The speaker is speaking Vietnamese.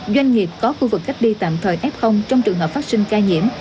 doanh nghiệp có khu vực cách ly tạm thời f trong trường hợp phát sinh ca nhiễm